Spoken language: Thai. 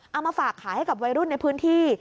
เอามาฝากขายให้กับวัยรุ่นในพื้นที่